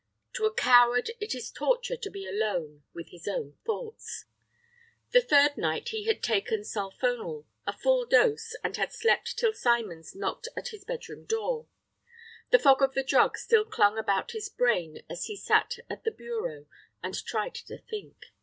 To a coward it is torture to be alone with his own thoughts. The third night he had taken sulphonal, a full dose, and had slept till Symons knocked at his bedroom door. The fog of the drug still clung about his brain as he sat at the bureau and tried to think.